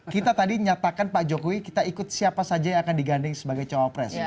kita tadi nyatakan pak jokowi kita ikut siapa saja yang akan digandeng sebagai cawapres